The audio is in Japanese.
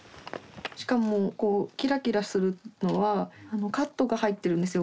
しかもキラキラするのはカットが入ってるんですよ